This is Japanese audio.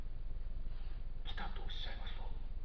「きた」とおっしゃいますと？